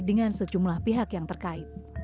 dengan sejumlah pihak yang terkait